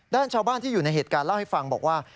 ชาวบ้านที่อยู่ในเหตุการณ์เล่าให้ฟังบอกว่า